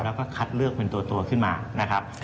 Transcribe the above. แล้วก็คัดเลือกเป็นตัวขึ้นมานะครับ